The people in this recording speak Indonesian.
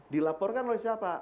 dilaporkan oleh siapa